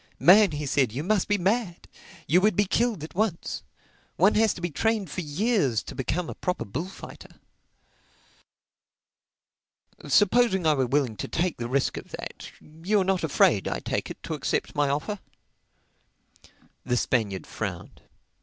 "Man," he said, "you must be mad! You would be killed at once. One has to be trained for years to become a proper bullfighter." "Supposing I were willing to take the risk of that—You are not afraid, I take it, to accept my offer?" The Spaniard frowned.